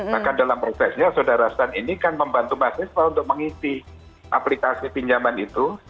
maka dalam prosesnya saudarisan ini kan membantu mahasiswa untuk mengisi aplikasi pinjaman itu